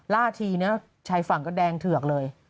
ล่าคือนี้ไฟฝังก็แดงเถือกเลย